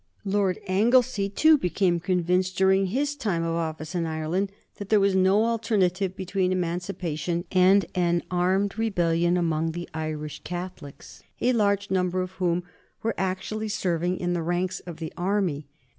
Lord Anglesey, too, became satisfied during his time of office in Ireland that there was no alternative between emancipation and an armed rebellion among the Irish Catholics, a large number of whom were actually serving in the ranks of the army.